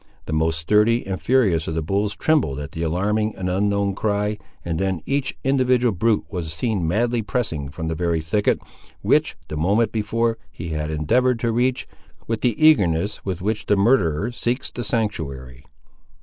The most sturdy and furious of the bulls trembled at the alarming and unknown cry, and then each individual brute was seen madly pressing from that very thicket, which, the moment before, he had endeavoured to reach, with the eagerness with which the murderer seeks the sanctuary.